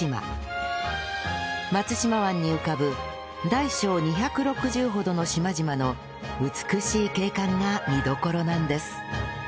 松島湾に浮かぶ大小２６０ほどの島々の美しい景観が見どころなんです